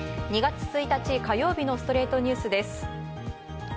２月１日、火曜日の『ストレイトニュース』です。